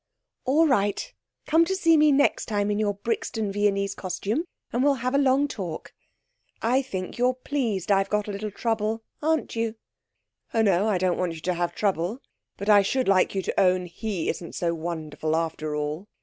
'All right, come to see me next time in your Brixton Viennese costume, and we'll have a long talk. I think you're pleased I've got a little trouble. Aren't you?' 'Oh, no I don't want you to have trouble. But I should like you to own he isn't so wonderful, after all.'